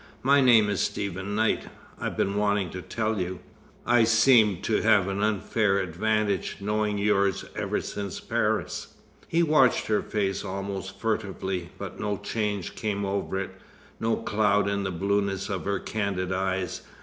My name is Stephen Knight. I've been wanting to tell you I seemed to have an unfair advantage, knowing yours ever since Paris." He watched her face almost furtively, but no change came over it, no cloud in the blueness of her candid eyes.